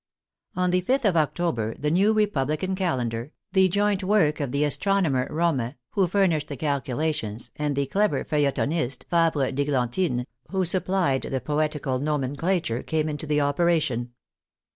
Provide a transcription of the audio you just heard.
On the 5th of October the new Republican calendar, the joint work of the astronomer Romme, who furnished the calculations, and the clever feuilletonist, Fabre d'Eg lantine, who supplied the poetical nomenclature, came into operation.